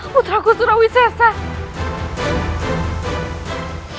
putra aku surawi sesar